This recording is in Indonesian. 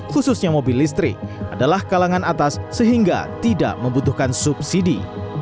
khususnya mobil listrik adalah kalangan atas sehingga tidak membutuhkan subsidi